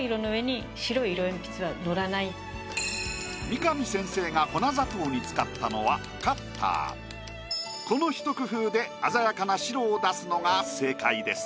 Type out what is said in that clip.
三上先生がこのひと工夫で鮮やかな白を出すのが正解です。